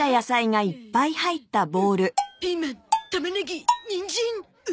うっピーマンタマネギニンジン。